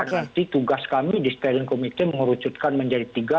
nanti tugas kami di stadion committee mengerucutkan menjadi tiga